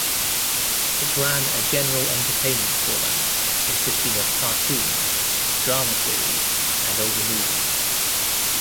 It ran a general entertainment format consisting of cartoons, drama series and older movies.